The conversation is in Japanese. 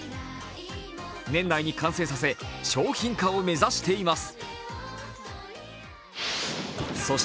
年内に完成させ、商品化を目指しています。